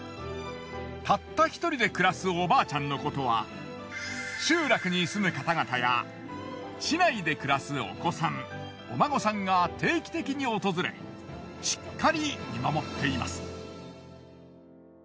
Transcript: たった１人で暮らすおばあちゃんのことは集落に住む方々や市内で暮らすお子さんお孫さんが定期的に訪れしっかり見守っています。